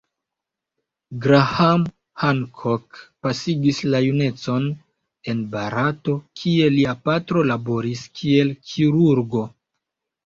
Graham Hancock pasigis la junecon en Barato, kie lia patro laboris kiel kirurgo.